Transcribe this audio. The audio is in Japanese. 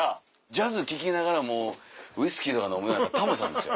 ジャズ聴きながらウイスキーとか飲むようなったらタモさんですよ